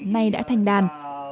nay đã thành đàn